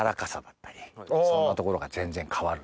そんなところが全然変わるんですよ。